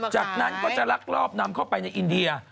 จากนั้นก็จะรักรอบนำครอบอะไปในอินเดีย